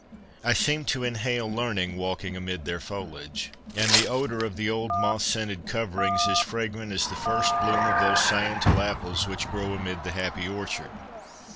... I seem to inhale learning, walking amid their foliage ; and the odour of the old moth scented coverings is fragrant as the first bloom of those sciential apples which grow amid the happy orchard.'